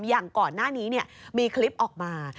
อย่างก่อนหน้านี้มีคลิปออกมา